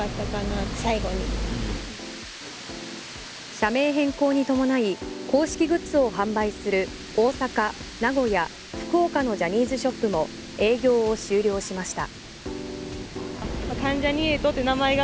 社名変更に伴い公式グッズを販売する大阪、名古屋、福岡のジャニーズショップも営業を終了しました。